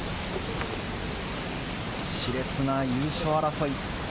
し烈な優勝争い。